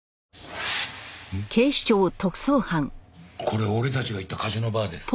これ俺たちが行ったカジノバーです。